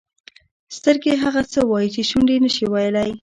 سترګې هغه څه وایي چې شونډې نه شي ویلای.